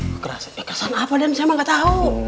kekerasan apa den saya mah nggak tahu